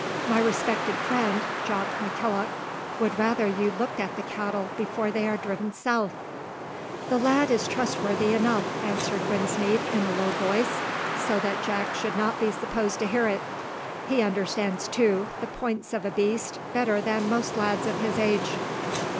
My respected friend, Jock McKillock, would rather you looked at the cattle before they are driven south." "The lad is trustworthy enough," answered Brinsmead, in a low voice, so that Jack should not be supposed to hear it. "He understands, too, the points of a beast better than most lads of his age.